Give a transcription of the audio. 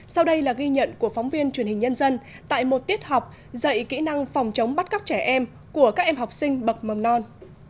sau đây là ghi nhận của phóng viên truyền hình nhân dân tại một tiết học dạy kỹ năng phòng chống bắt cóc trẻ em của các em học sinh bậc mầm non